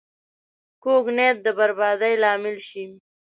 کوږ نیت د بربادۍ لامل شي